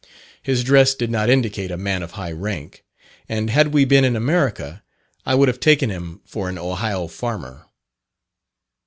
His dress did not indicate a man of high rank; and had we been in America, I would have taken him for an Ohio farmer.